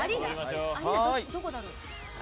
どこだろう？